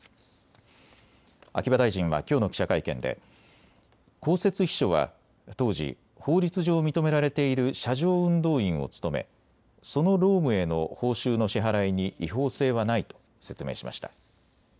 秋葉大臣はきょうの記者会見で公設秘書は当時、法律上認められている車上運動員を務めその労務への報酬の支払いに違法性はないと説明しました。